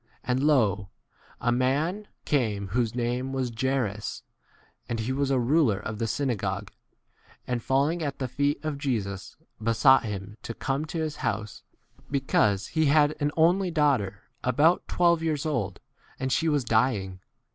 And lo, a man came whose name was Jairus, and he [was] a ruler of the syna gogue, and falling at the feet of Jesus besought him to come 42 to his house, because he had an only daughter, about twelve years old, and she* was dying.